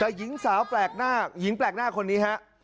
แต่หญิงสาวแปลกหน้าหญิงแปลกหน้าคนนี้ฮะ